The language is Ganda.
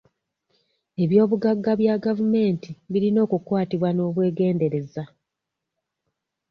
Eby'obugagga bya gavumenti birina okukwatibwa n'obwegendereza.